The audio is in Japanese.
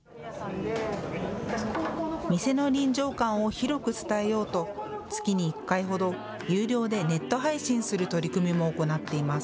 店の臨場感を広く伝えようと月に１回ほど有料でネット配信する取り組みも行っています。